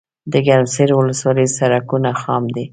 دګرمسیر ولسوالۍ سړکونه خام دي